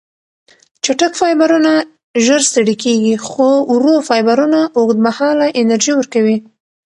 چټک فایبرونه ژر ستړې کېږي، خو ورو فایبرونه اوږدمهاله انرژي ورکوي.